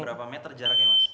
berapa meter jaraknya mas